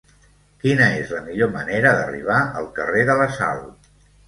Quina és la millor manera d'arribar al carrer de la Sal?